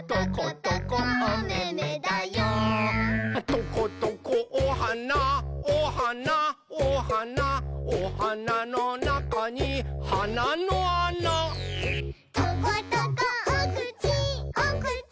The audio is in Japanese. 「トコトコおはなおはなおはなおはなのなかにはなのあな」「トコトコおくちおくち